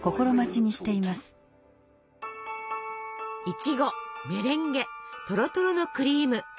いちごメレンゲとろとろのクリーム。